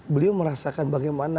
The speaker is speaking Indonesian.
beliau merasakan bagaimana